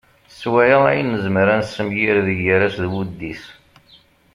S waya ay nezmer ad nessemgired gar-as d wuddis.